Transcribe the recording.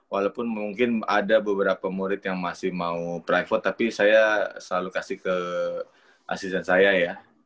walaupun mungkin ada beberapa murid yang masih mau private tapi saya selalu kasih ke asisten saya ya